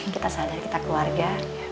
kita sadar kita keluarga